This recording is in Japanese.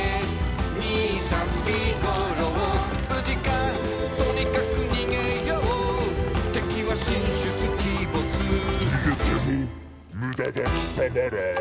「兄さんビーゴロー」「無事かとにかく逃げよう」「敵は神出鬼没」「逃げても無駄だきさまら」